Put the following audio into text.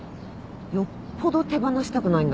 よっぽど手放したくないんだね。